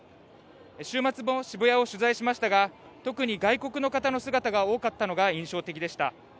週末も渋谷を取材しましたが、特に外国の方の姿が多かったのが印象的でした。